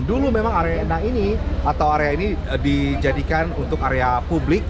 dulu memang arena ini atau area ini dijadikan untuk area publik